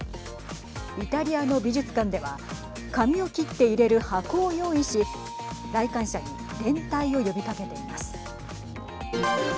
イタリアの美術館では髪を切って入れる箱を用意し来館者に連帯を呼びかけています。